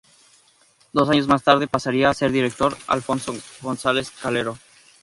Dos años más tarde pasaría a ser director Alfonso González Calero.